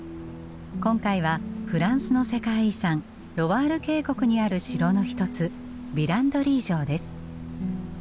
今回はフランスの世界遺産ロワール渓谷にある城の一つヴィランドリー城です。